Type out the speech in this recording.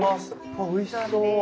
あっおいしそう。